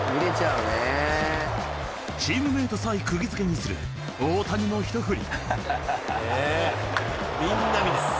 チームメートさえくぎ付けにする大谷の一振り。